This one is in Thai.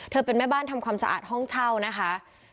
เป็นแม่บ้านทำความสะอาดห้องเช่านะคะ